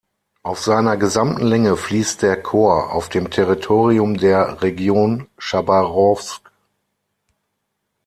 Auf seiner gesamten Länge fließt der Chor auf dem Territorium der Region Chabarowsk.